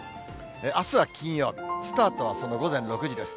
あすは金曜日、スタートはその午前６時です。